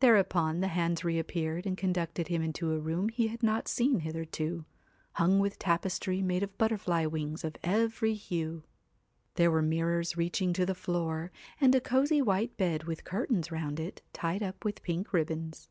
Thereupon the hands reappeared and conducted him into a room he had not seen hitherto, hung with tapestry made of butterfly wings of every hue ; there were mirrors reaching to the floor, and a cozy white bed with curtains round it tied up with pink ribbons.